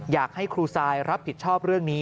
อยากให้ครูซายรับผิดชอบเรื่องนี้